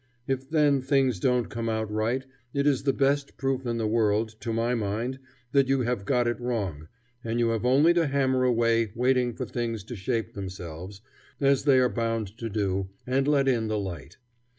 If then things don't come out right, it is the best proof in the world, to my mind, that you have got it wrong, and you have only to hammer away waiting for things to shape themselves, as they are bound to do, and let in the light.